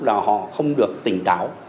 là họ không được tỉnh táo